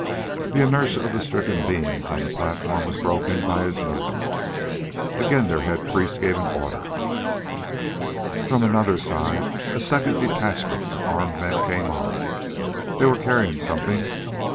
The inertia of the stricken beings on the platform was broken by his move. Again their head priest gave an order; from another side a second detachment of armed men came on. They were carrying something.